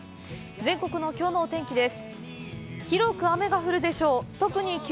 全国のきょうのお天気です。